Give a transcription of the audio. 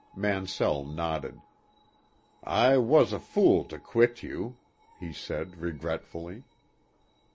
Mansell nodded. "I was a fool to quit you," he said regretfully.